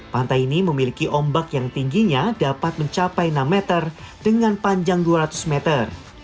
pantai ini memiliki ombak yang tingginya dapat mencapai enam meter dengan panjang dua ratus meter